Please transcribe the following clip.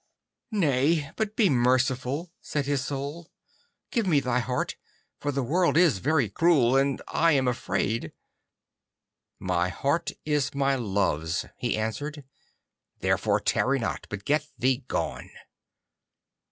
'Nay, but be merciful,' said his Soul: 'give me thy heart, for the world is very cruel, and I am afraid.' 'My heart is my love's,' he answered, 'therefore tarry not, but get thee gone.